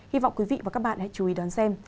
hy vọng quý vị và các bạn hãy chú ý đón xem